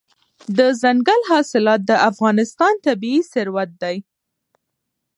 دځنګل حاصلات د افغانستان طبعي ثروت دی.